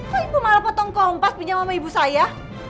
kok ibu malah potong kompas pinjam sama ibu saya